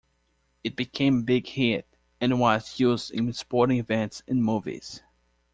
It became a big hit, and was used in sporting events and movies.